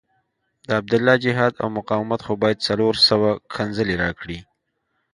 د عبدالله جهاد او مقاومت خو باید څلور سوه ښکنځلې راکړي.